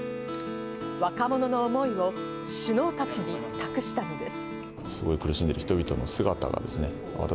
若者の思いを首脳たちに託したのです。